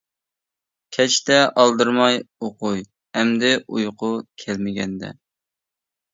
كەچتە ئالدىرىماي ئوقۇي ئەمدى ئۇيقۇ كەلمىگەندە.